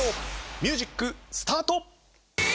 ミュージックスタート！